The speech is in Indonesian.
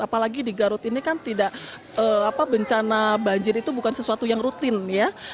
apalagi di garut ini kan tidak bencana banjir itu bukan sesuatu yang rutin ya